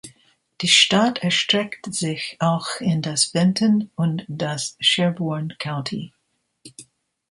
Die Stadt erstreckt sich auch in das Benton und das Sherburne County.